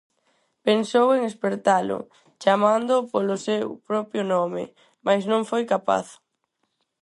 Pensou en espertalo, chamándoo polo seu propio nome, mais non foi capaz: